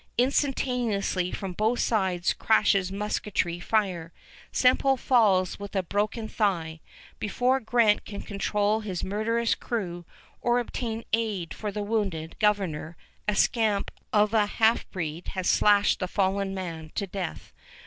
Instantaneously from both sides crashes musketry fire. Semple falls with a broken thigh. Before Grant can control his murderous crew or obtain aid for the wounded governor, a scamp of a half breed has slashed the fallen man to death.